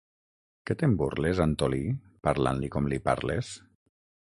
Que te'n burles, Antolí, parlant-li com li parles?